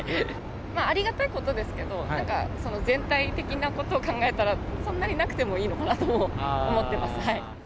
ありがたいことですけど、なんか全体的なことを考えたら、そんなになくてもいいのかなとも思ってます。